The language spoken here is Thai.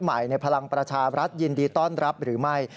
ในพลังประชารัฐยินดีต้อนรับหรือไม่